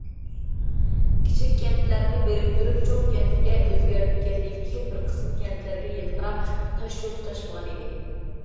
كىچىك كەنتلەرنى بىرىكتۈرۈپ چوڭ كەنتكە ئۆزگەرتكەندىن كېيىن، بىر قىسىم كەنتلەرگە يەنىلا تاشيول تۇتاشمىغان ئىدى.